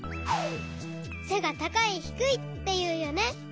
せが「たかい」「ひくい」っていうよね。